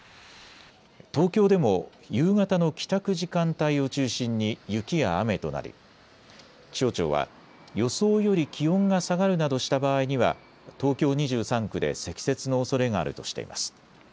東京でも夕方の帰宅時間帯を中心に雪や雨となり気象庁は予想より気温が下がるなどした場合には東京２３区で積雪のおそれがあるとしています。